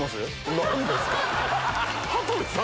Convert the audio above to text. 何ですか？